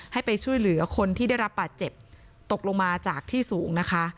ให้ไปช่วยเหลือคนที่ได้รับบาดเจ็บตกลงมาจากที่สูงนะคะ